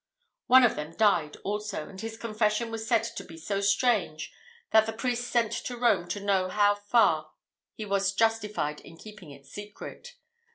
One of them died also; and his confession was said to be so strange, that the priest sent to Rome to know how far he was justified in keeping it secret.